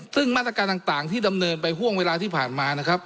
ซึ่งมาตรการต่างที่ดำเนินไปห่วงเวลาที่ผ่านมานะครับ